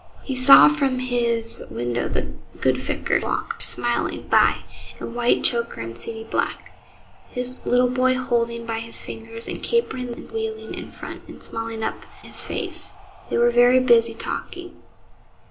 He saw from his window the good vicar walk smiling by, in white choker and seedy black, his little boy holding by his fingers, and capering and wheeling in front, and smiling up in his face. They were very busy talking.